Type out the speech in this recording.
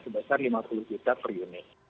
yang berbesar rp lima puluh juta per unit